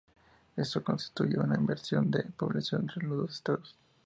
Esto constituye una inversión de población entre los dos estados.